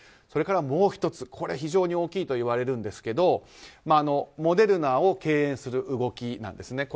それからもう１つこれは非常に大きいといわれますがモデルナを敬遠する動きなんです。